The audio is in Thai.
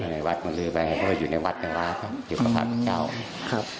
ให้วัดมาลื้อไปเพราะอยู่ในวัดน่ะวะเขาอยู่ข้างข้างเจ้าครับ